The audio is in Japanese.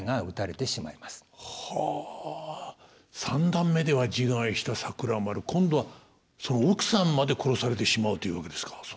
三段目では自害した桜丸今度はその奥さんまで殺されてしまうというわけですか。